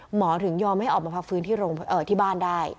หมอถึงยอมให้ออกมาพาฟื้นที่โรงเอ่อที่บ้านได้